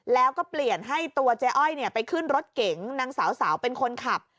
แล้วก็เปลี่ยนให้ตัวเจ๊อ้อยไปขึ้นรถเก๋งนางสาวเป็นคนขับ